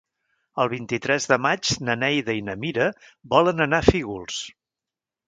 El vint-i-tres de maig na Neida i na Mira volen anar a Fígols.